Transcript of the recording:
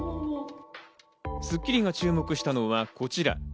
『スッキリ』が注目したのはこちら。